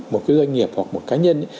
một cái doanh nghiệp hoặc một cá nhân